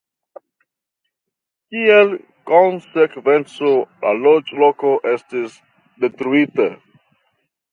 Kiel konsekvenco la loĝloko estis detruita.